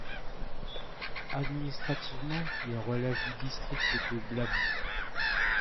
Administrativement, il relève du district de Blaby.